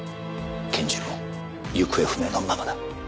拳銃も行方不明のままだ。